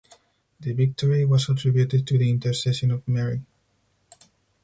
The victory was attributed to the intercession of Mary.